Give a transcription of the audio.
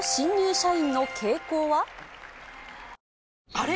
あれ？